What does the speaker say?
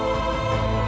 aku akan menunggu